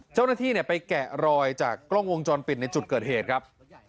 เจ้าหน้าที่ไปแกะรอยจากกล้องวงจรปิดในจุดเกิดเหตุครับ